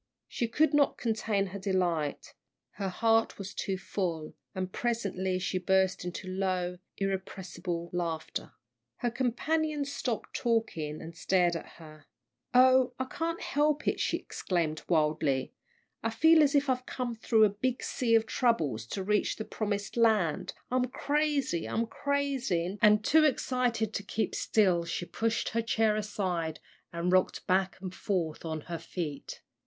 She could not contain her delight. Her heart was too full, and presently she burst into low, irrepressible laughter. Her companions stopped talking and stared at her. "Oh, I can't help it!" she exclaimed, wildly, "I feel as if I'd come through a big sea of troubles to reach the promised land! I'm crazy I'm crazy!" and too excited to keep still she pushed her chair aside, and rocked back and forth on her feet.